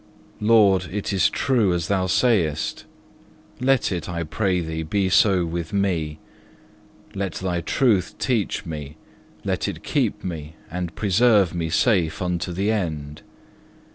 2. Lord, it is true as Thou sayest; let it, I pray Thee, be so with me; let Thy truth teach me, let it keep me and preserve me safe unto the end.